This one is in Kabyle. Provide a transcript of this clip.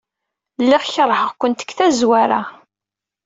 Lliɣ keṛheɣ-kent deg tazwara.